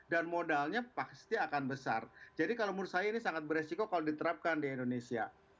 dan modalnya pasti akan besar jadi menurut saya ini sangat beresiko kalau diterapkan di indonesia